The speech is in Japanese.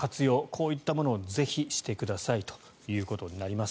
こういったものをぜひしてくださいということです。